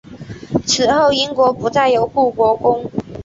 此后英国不再有护国公。